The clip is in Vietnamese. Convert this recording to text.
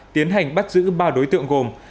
tiến hành bắt giữ ba đối tượng gồm